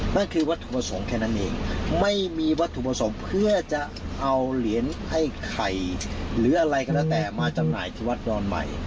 นั่นคือวัตถุประสงค์แค่นั้นเองไม่มีวัตถุประสงค์เพื่อจะเอาเหรียญไอ้ไข่หรืออะไรก็แล้วแต่มาจำหน่ายที่วัดดอนใหม่